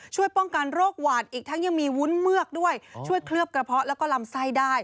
ช่วยป้องกันโรคหวาดอีกทั้งยังมีวุ้นเมือกด้วยช่วยเคลือบกระเพาะแล้วก็ลำไส้ได้